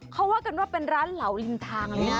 เขาว่ากันว่าเป็นร้านเหลาริมทางเลยนะ